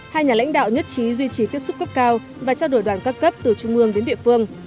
hai nhà lãnh đạo nhất trí duy trì tiếp xúc cấp cao và trao đổi đoàn các cấp từ trung ương đến địa phương